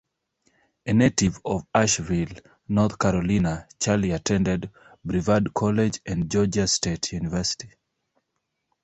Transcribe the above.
A native of Asheville, North Carolina, Charlie attended Brevard College and Georgia State University.